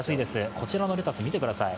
こちらのレタス見てください。